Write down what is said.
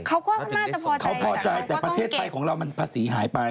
เขาดูน่าจะพอใจแต่พระเทศไทยของเราพาศีหายไป